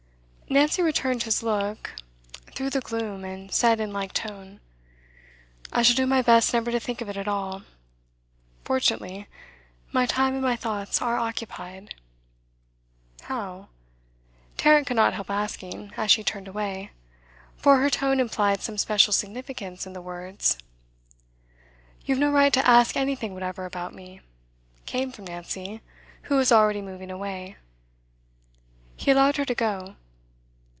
Nancy returned his look through the gloom, and said in like tone: 'I shall do my best never to think of it at all. Fortunately, my time and my thoughts are occupied.' 'How?' Tarrant could not help asking, as she turned away; for her tone implied some special significance in the words. 'You have no right to ask anything whatever about me,' came from Nancy, who was already moving away. He allowed her to go.